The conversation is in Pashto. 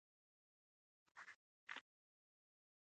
استاد د عقل غږ دی.